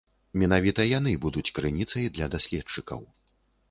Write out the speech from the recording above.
Менавіта яны будуць крыніцай для даследчыкаў.